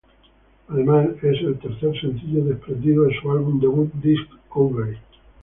Además, es la tercer sencillo desprendido de su álbum debut "Disc-Overy".